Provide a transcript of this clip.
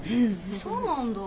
そうなんだ。